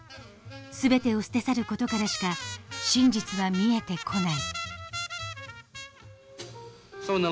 全てを捨て去る事からしか真実は見えてこない。